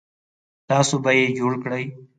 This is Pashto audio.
تاسو به یې جوړ کړئ